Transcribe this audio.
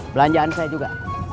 belanjaan saya juga